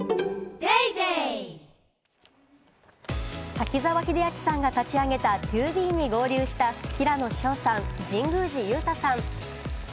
滝沢秀明さんが立ち上げたＴＯＢＥに合流した平野紫耀さん、神宮寺勇太さん。